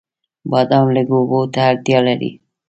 بادام لږو اوبو ته اړتیا لري.